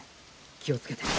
気をつけて。